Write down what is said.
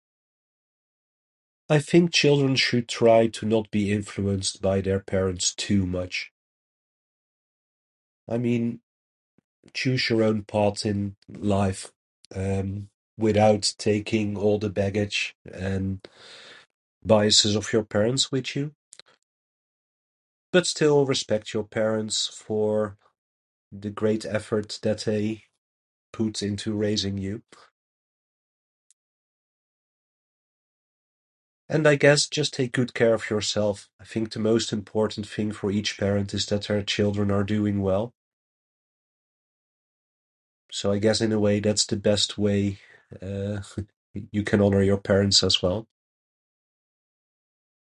I think children should try to not be influenced by their parents too much. I mean, choose your own paths in life, um, without taking all the baggage and biases of your parents with you. But still, respect your parents for the great effort that they put into raising you. And, I guess, just take good care of yourself. I think the most important thing for each parent is that their children are doing well. So, I guess, in a way, that's the best way, uh, you can honor your parents, as well.